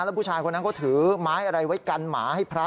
แล้วผู้ชายคนนั้นก็ถือไม้อะไรไว้กันหมาให้พระ